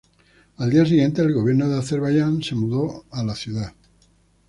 Al día siguiente, el gobierno de Azerbaiyán se mudó a la ciudad.